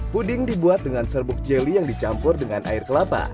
puding dibuat dengan serbuk jeli yang dicampur dengan air kelapa